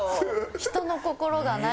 人の心がない。